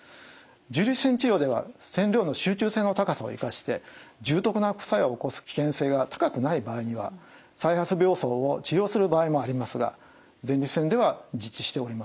重粒子線治療では線量の集中性の高さを生かして重篤な副作用を起こす危険性が高くない場合には再発病巣を治療する場合もありますが前立腺では実施しておりません。